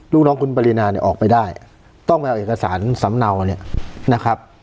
ลูกน้องคุณปรินาเนี่ยออกไปได้ต้องไปเอาเอกสารสำเนาเนี่ยนะครับ